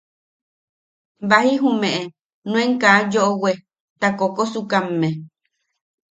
Baji jumeʼe nuen kaa yoʼowe, ta koʼokosukamme.